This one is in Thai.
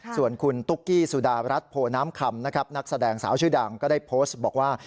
ส่วนคุณตุ๊กกี้สุดารัฐโพน้ำคำนะครับนักแสดงสาวชื่อดังก็ได้โพสต์บอกว่า